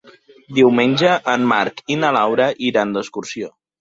Diumenge en Marc i na Laura iran d'excursió.